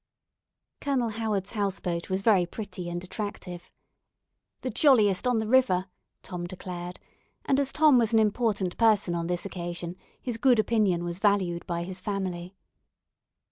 Colonel Howard's house boat was very pretty and attractive. "The jolliest on the river," Tom declared, and as Tom was an important person on this occasion, his good opinion was valued by his family.